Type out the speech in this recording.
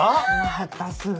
またすぐ。